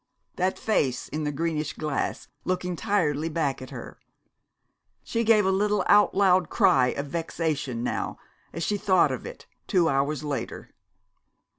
That face in the greenish glass, looking tiredly back at her! She gave a little out loud cry of vexation now as she thought of it, two hours later.